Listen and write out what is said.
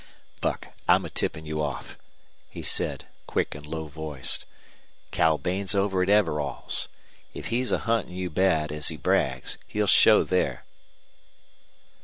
"Buck, I'm a tippin' you off," he said, quick and low voiced. "Cal Bain's over at Everall's. If he's a huntin' you bad, as he brags, he'll show there."